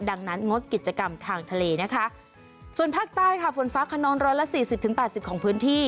ดังนั้นงดกิจกรรมทางทะเลนะคะส่วนภาคใต้ค่ะฝนฟ้าขนองร้อยละสี่สิบถึงแปดสิบของพื้นที่